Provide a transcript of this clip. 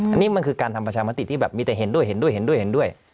อันนี้มันคือการทำประชามติที่แบบมีแต่เห็นด้วยเห็นด้วยเห็นด้วยเห็นด้วย